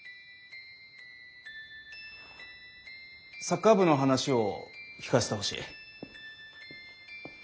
サッカー部の話を聞かせてほしい。